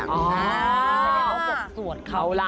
อ๋อแสดงว่ากดสวนเขาล่ะ